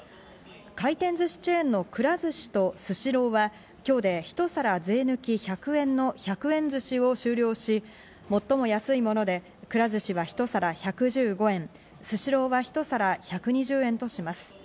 回転寿司チェーンのくら寿司とスシローは、今日でひと皿税抜１００円の「１００円ずし」を終了し、最も安いものでくら寿司はひと皿１１５円、スシローはひと皿１２０円とします。